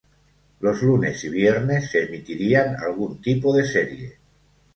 Los lunes y viernes se emitirían algún tipo de serie.